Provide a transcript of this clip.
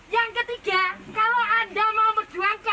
yang ketiga kalau anda mau berduakan